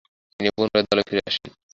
তিনি পুনরায় দলে ফিরে আসেন।